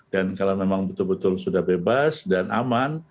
dan kalau memang betul betul sudah bebas dan aman